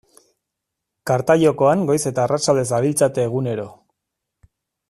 Karta jokoan goiz eta arratsalde zabiltzate egunero.